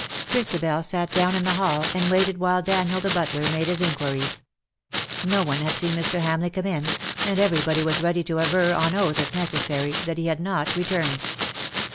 Christabel sat down in the hall, and waited while Daniel, the butler, made his inquiries. No one had seen Mr. Hamleigh come in, and everybody was ready to aver on oath if necessary that he had not returned.